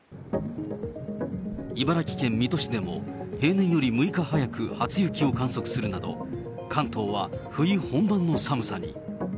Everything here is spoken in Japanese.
茨城県水戸市でも、平年より６日早く初雪を観測するなど、関東は冬本番の寒さに。